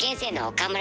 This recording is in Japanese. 岡村。